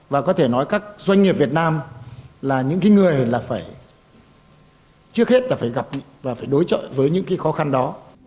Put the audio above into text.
và có thể nói các doanh nghiệp việt nam là những người trước hết phải gặp và đối chọi với những khó khăn đó